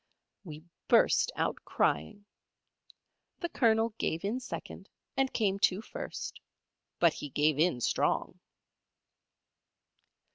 We burst out crying. The Colonel gave in second, and came to first; but he gave in strong.